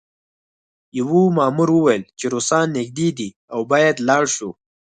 یوه مامور وویل چې روسان نږدې دي او باید لاړ شو